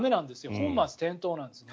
本末転倒なんですね。